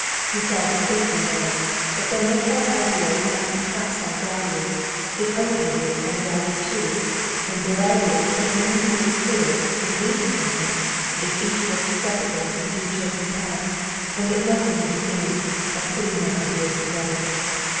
He saw distinctly now that though Metrov's ideas might perhaps have value, his own ideas had a value too, and their ideas could only be made clear and lead to something if each worked separately in his chosen path, and that nothing would be gained by putting their ideas together.